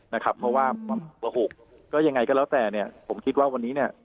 เพราะว่าหุบก็ยังไงก็แล้วแต่ผมคิดว่าวันนี้